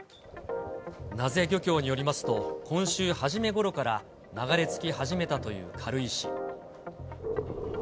名瀬漁協によりますと、今週初めごろから流れ着き始めたという軽石。